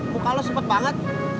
muka lu sepet banget